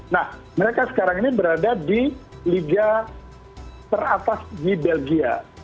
nah mereka sekarang ini berada di liga teratas di belgia